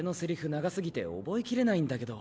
長過ぎて覚えきれないんだけど。